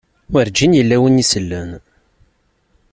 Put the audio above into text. Werǧin yella win isellen.